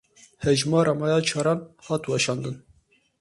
Hejmara me ya çaran hat weşandin.